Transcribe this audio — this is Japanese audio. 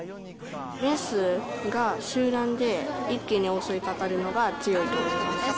雌が集団で、一気に襲いかかるのが強いと思います。